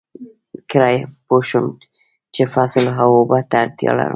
کله پوه شم چې فصل اوبو ته اړتیا لري؟